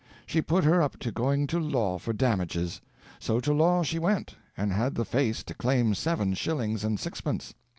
She put her up to going to law for damages. So to law she went, and had the face to claim seven shillings and sixpence.